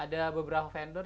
ada beberapa vendor